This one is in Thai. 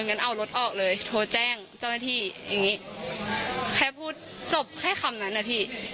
งั้นเอารถออกเลยโทรแจ้งเจ้าหน้าที่อย่างงี้แค่พูดจบแค่คำนั้นนะพี่